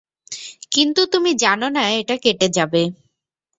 কিন্তু তুমি জানো এটা কেটে যাবে।